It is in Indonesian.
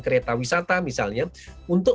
kereta wisata misalnya untuk